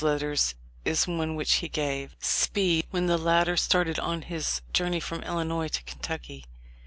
THE LIFE OF LIXCOLX. 219 Speed when the latter started on his journey from Illinois to Kentucky.